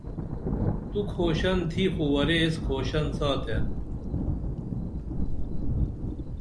تو کُھوشن تھی خو ورے ایس کُھوشن ساتے